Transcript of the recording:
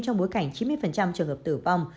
trong bối cảnh chín mươi trường hợp tử vong